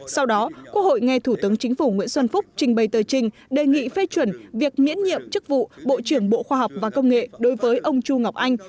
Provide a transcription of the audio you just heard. sau đó quốc hội nghe thủ tướng chính phủ nguyễn xuân phúc trình bày tờ trình đề nghị phê chuẩn việc miễn nhiệm chức vụ bộ trưởng bộ khoa học và công nghệ đối với ông chu ngọc anh